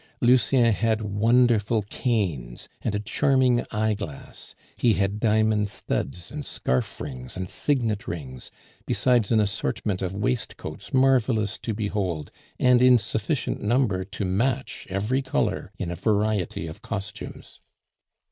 Lucien had wonderful canes, and a charming eyeglass; he had diamond studs, and scarf rings, and signet rings, besides an assortment of waistcoats marvelous to behold, and in sufficient number to match every color in a variety of costumes.